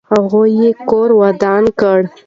هغوی یې کور ودان کړ.